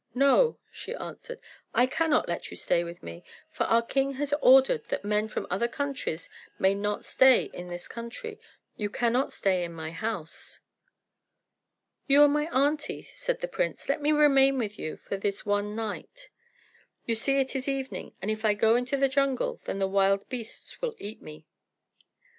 "No," she answered, "I cannot let you stay with me; for our king has ordered that men from other countries may not stay in his country. You cannot stay in my house." "You are my aunty," said the prince; "let me remain with you for this one night. You see it is evening, and if I go into the jungle, then the wild beasts will eat me."